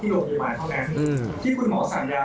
อย่างนี้จะต้องไปรับที่โรงพยาบาลเท่านั้น